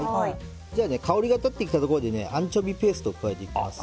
香りが立ってきたところでアンチョビペーストを加えていきます。